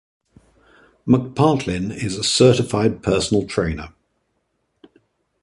McPartlin is a certified personal trainer.